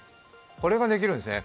これができるんですね。